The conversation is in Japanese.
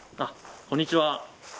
こんにちは。